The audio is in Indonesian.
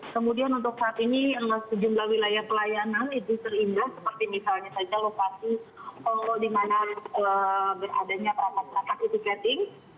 kemudian untuk saat ini sejumlah wilayah pelayanan itu terindah seperti misalnya saja lokasi di mana beradanya perangkat perangkat itu setting